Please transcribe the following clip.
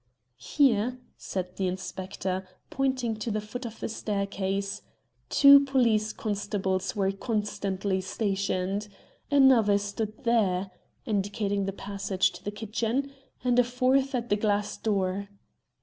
"Here," said the inspector, pointing to the foot of the staircase, "two police constables were constantly stationed. Another stood there," indicating the passage to the kitchen, "and a fourth at the glass door.